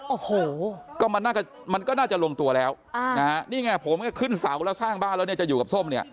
โอ้โหก็มันก็น่าจะลงตัวแล้วนี่ไงผมขึ้นเสาร์แล้วสร้างบ้านแล้วจะอยู่กับส้มเนี่ย